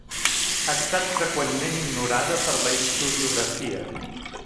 Ha estat freqüentment ignorada per la historiografia.